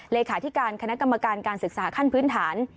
เลขาธิการคณะกรรมการการศึกษาขั้นพื้นฐาน